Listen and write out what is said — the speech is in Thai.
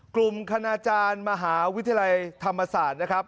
คณาจารย์มหาวิทยาลัยธรรมศาสตร์นะครับ